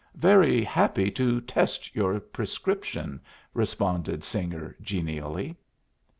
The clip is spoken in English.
"Very happy to test your prescription," responded Singer, genially.